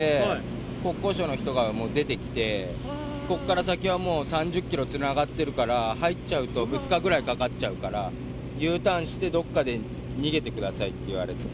向こうに行った所で、１キロ行かないぐらいの所で、国交省の人が出てきて、ここから先はもう３０キロつながってるから、入っちゃうと２日ぐらいかかっちゃうから、Ｕターンして、どっかで逃げてくださいって言われちゃって。